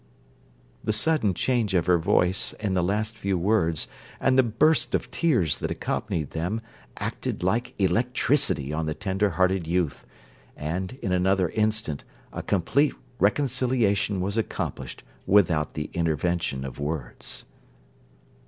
The sudden change of her voice in the last few words, and the burst of tears that accompanied them, acted like electricity on the tender hearted youth; and, in another instant, a complete reconciliation was accomplished without the intervention of words.